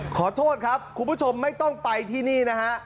ขอโทษครับคุณผู้ชมไม่ต้องไปที่นี่นะฮะ